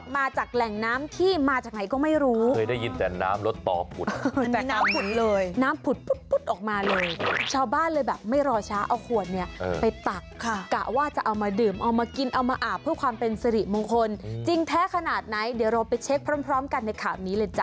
มาอีกแล้วนะน้ำที่ปรับผุดออกมาจากแหล่งน้ำ